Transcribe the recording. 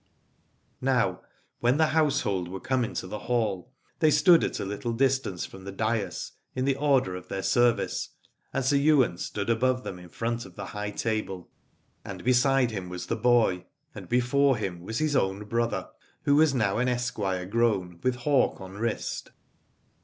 Now when the household were come into the hall they stood at a little distance from the dais, in the order of their service, and Sir Ywain stood above them in front of the high table. And beside him was the boy, and before him was his own brother, who was now an esquire grown, with hawk on wrist.